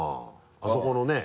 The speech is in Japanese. あそこのね